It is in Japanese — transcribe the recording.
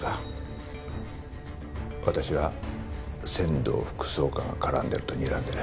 私は千堂副総監が絡んでるとにらんでる。